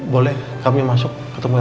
boleh kami masuk ketemu